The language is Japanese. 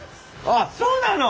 あっそうなの！